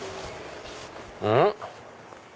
うん？